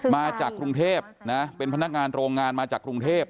มาจากกรุงเทพนะเป็นพนักงานโรงงานมาจากกรุงเทพ